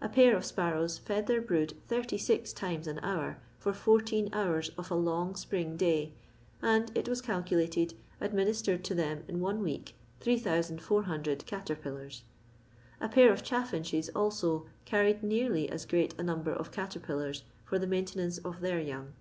A pair of sparrows fisd their brood 86 times an hour for 14 hours of a long spring day, and, it was calculated, ad ministered to them m one week 8400 caterpillars. A pair of chaffinches, also, carried nearly as great a number of caterpiUars for the maintenance of their young.